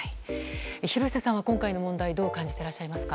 廣瀬さんは今回の問題どう感じてらっしゃいますか？